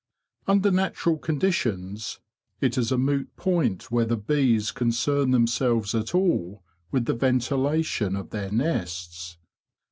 Under natural conditions it is a moot point whether bees concern themselves at all with the ven _ tilation of their nests.